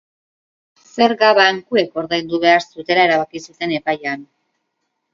Zerga bankuek ordaindu behar zutela erabaki zuten epaian.